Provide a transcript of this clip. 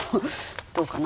どうかな？